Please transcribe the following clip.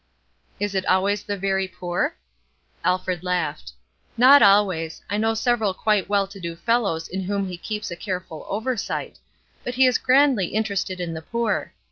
"Is it always the very poor?" Alfred laughed. "Not always. I know several quite well to do fellows in whom he keeps a careful oversight; but he is grandly interested in the poor.